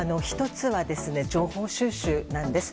１つは情報収集です。